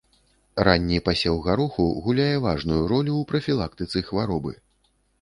Ранні пасеў гароху гуляе важную ролю ў прафілактыцы хваробы.